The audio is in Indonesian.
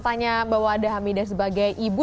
tanya bahwa ada hamidah sebagai ibu